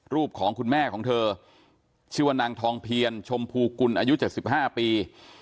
รูปของคุณแม่ของเธอชื่อว่านางทองเพียรชมพูกุลอายุ๗๕ปี